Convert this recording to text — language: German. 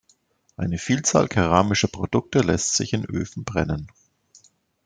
Eine Vielzahl keramischer Produkte lässt sich in Öfen brennen.